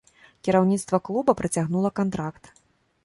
Кіраўніцтва клуба працягнула кантракт.